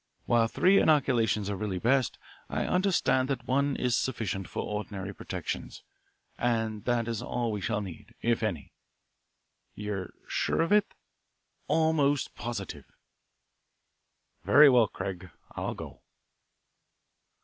While three inoculations are really best, I understand that one is sufficient for ordinary protection, and that is all we shall need, if any." "You're sure of it?" "Almost positive." "Very well, Craig. I'll go."